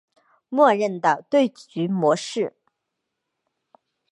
默认的对局模式。